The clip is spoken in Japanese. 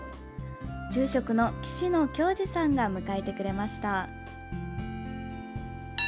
住職の岸野教司さんが迎えてくれました。